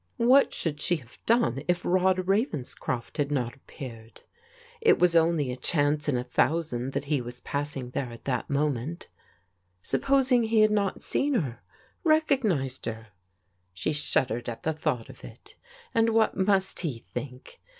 What should she have done if Rod Ravenscroft had not appeared ? It was only a chance in a thousand that he was passing there at that moment Supposing he had not seen her, recognized her? She shuddered at the thought of it And what must he think?